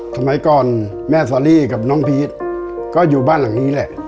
สมัยก่อนแม่ซอรี่กับน้องพีชก็อยู่บ้านหลังนี้แหละ